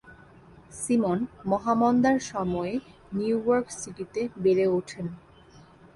Simon মহামন্দার সময়ে New York সিটিতে বেড়ে ওঠেন।